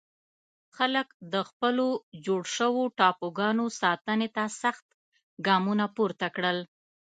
خلک د خپلو جوړ شوو ټاپوګانو ساتنې ته سخت ګامونه پورته کړل.